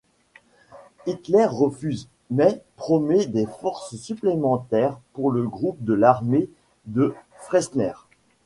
Hitler refuse, mais promet des forces supplémentaires pour le groupe de l'armée de Friessner.